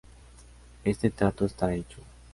Ese trato está hecho".